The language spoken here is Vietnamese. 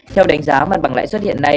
theo đánh giá mặt bằng lãi suất hiện nay